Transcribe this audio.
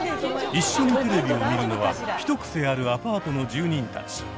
一緒にテレビを見るのはヒトクセあるアパートの住人たち。